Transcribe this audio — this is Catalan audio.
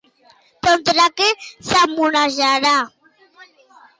Contra què se sermonejarà?